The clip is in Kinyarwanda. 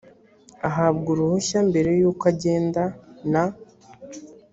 ahabwa uruhushya mbere y uko agenda na